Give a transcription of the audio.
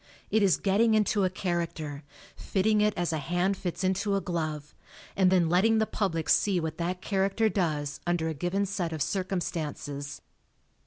It is getting into a character, fitting it as a hand fits into a glove, and then letting the public see what that charac ter does under a given set of circumstances.